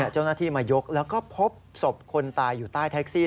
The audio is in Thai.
เจ้าหน้าที่มายกแล้วก็พบศพคนตายอยู่ใต้แท็กซี่